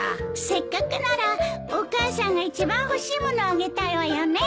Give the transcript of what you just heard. せっかくならお母さんが一番欲しいものをあげたいわよね。